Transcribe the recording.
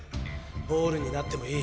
ボールになってもいい！